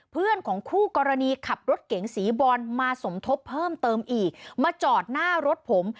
เพื่อนของคู่กรณีขับรถเก๋งสีบอลมาสมทบเพิ่มเติมอีกมาจอดหน้ารถผม